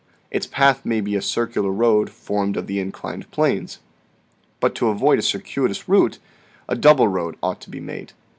Its path may be a circular road formed of the inclined planes. But to avoid a circuitous route, a double road ought to be made.